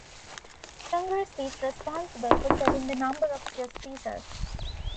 Congress is responsible for setting the number of justices.